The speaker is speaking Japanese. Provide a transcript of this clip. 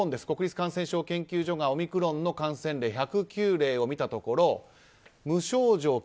国立感染症研究所がオミクロンの感染例１０９例を見たところ無症状